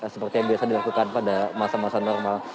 seperti yang biasa dilakukan pada masa masa normal